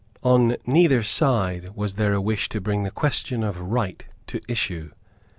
On neither side was there a wish to bring the question of right to issue.